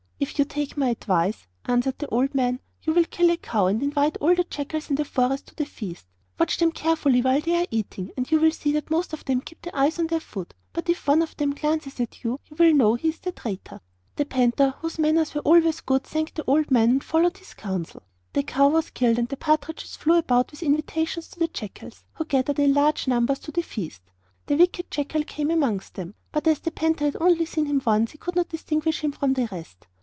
'If you take my advice,' answered the old man, 'you will kill a cow, and invite all the jackals in the forest to the feast. Watch them carefully while they are eating, and you will see that most of them keep their eyes on their food. But if one of them glances at you, you will know that is the traitor.' The panther, whose manners were always good, thanked the old man, and followed his counsel. The cow was killed, and the partridges flew about with invitations to the jackals, who gathered in large numbers to the feast. The wicked jackal came amongst them; but as the panther had only seen him once he could not distinguish him from the rest.